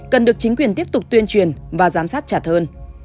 cần được chính quyền tiếp tục tuyên truyền và giám sát chặt hơn